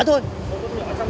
một chút nhỏ